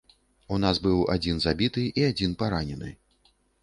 У нас быў адзін забіты і адзін паранены.